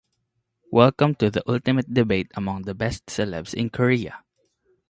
Welcome to the ultimate debate among the best celebs in Korea!